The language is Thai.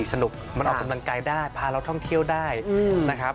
คุณผู้ชมไม่เจนเลยค่ะถ้าลูกคุณออกมาได้มั้ยคะ